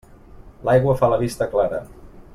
L'aigua fa la vista clara.